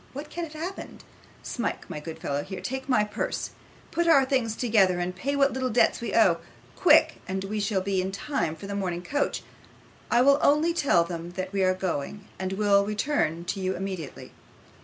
What can have happened? Smike, my good fellow, here take my purse. Put our things together, and pay what little debts we owe quick, and we shall be in time for the morning coach. I will only tell them that we are going, and will return to you immediately.